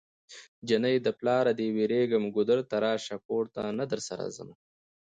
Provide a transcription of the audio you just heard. جنۍ د پلاره دی ويريږم ګودر ته راشه کور ته نه درسره ځمه